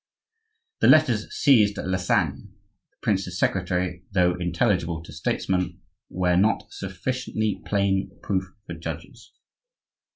The letters seized on Lasagne, the prince's secretary, though intelligible to statesmen, where not sufficiently plain proof for judges.